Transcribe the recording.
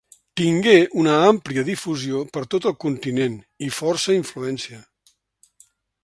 Tingué una àmplia difusió per tot el continent i força influència.